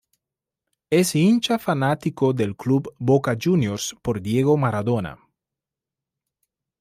Es hincha fanático del club Boca Juniors por Diego Maradona